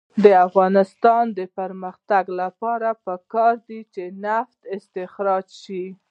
د افغانستان د اقتصادي پرمختګ لپاره پکار ده چې نفت استخراج شي.